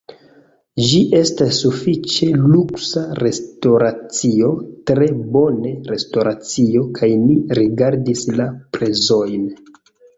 ĝi estas sufiĉe luksa restoracio tre bone restoracio kaj ni rigardis la prezojn